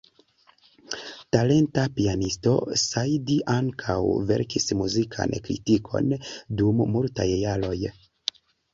Talenta pianisto, Said ankaŭ verkis muzikan kritikon dum multaj jaroj.